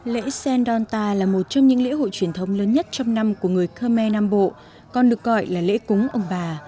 lễ xen donta là một trong những lễ hội truyền thống lớn nhất trong năm của người khơ me nam bộ còn được gọi là lễ cúng ông bà